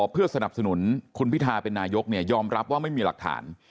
เพื่อสนับสนุนคุณพิทาเป็นนายกยอมรับว่าไม่มีหลักฐาน